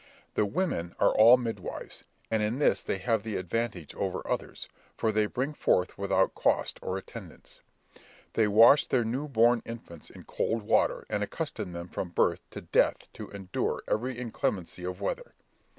The women are all midwives, and in this they have the advantage over others, for they bring forth without cost or attendants. They wash their new born infants in cold water, and accustom them from birth to death to endure every inclemency of weather.